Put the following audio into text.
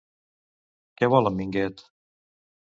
Què vol en Minguet?